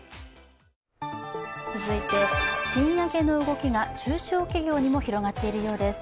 続いて、賃上げの動きが中小企業にも広がっているようです。